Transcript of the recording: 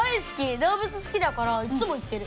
動物好きだからいっつも行ってる。